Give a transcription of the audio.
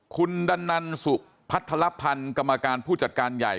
คุณดันนันสุพัฒนภัณฑ์กรรมการผู้จัดการใหญ่